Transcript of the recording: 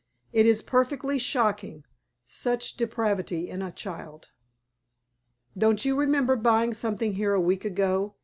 It is perfectly shocking, such depravity in a child." "Don't you remember buying something here a week ago?"